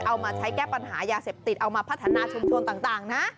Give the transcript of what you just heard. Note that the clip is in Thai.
เอามาใช้แก้ปัญหายาเสพติดเอามาพัฒนาชุมชนต่างนะ